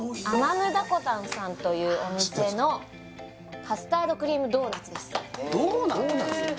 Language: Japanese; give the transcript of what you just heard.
アマムダコタンさんというお店のカスタードクリームドーナツですドーナツ？